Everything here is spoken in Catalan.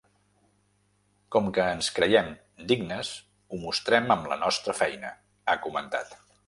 Com que ens creiem dignes, ho mostrem amb la nostra feina, ha comentat.